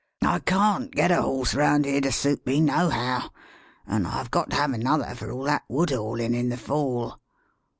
I can't get a horse round here to suit me, nohow, an' I've got to have another for all that wood haulin' in the fall.